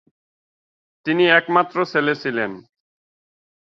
তিনি একমাত্র ছেলে ছিলেন।